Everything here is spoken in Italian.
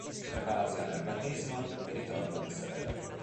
Preparazione al battesimo e ritorno di Severo.